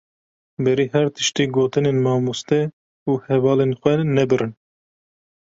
Berî her tiştî, gotinên mamoste û hevalên xwe nebirin.